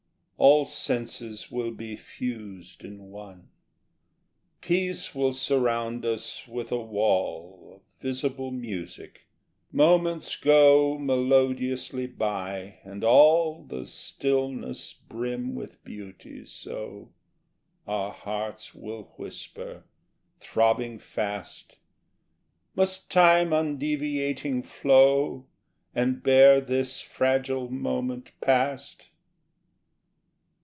All senses will be fused in one: Peace will surround us with a wall Of visible music, moments go Melodiously by, and all The stillness brim with beauty; so Our hearts will whisper, throbbing fast: 'Must time undeviating flow And bear this fragile moment past?'